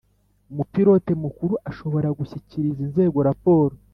Umupilote mukuru ashobora gushyikiriza inzego raporo